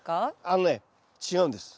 あのね違うんです。